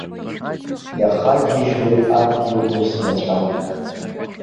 Иахагьежьуеит адгьыл ду снацәа!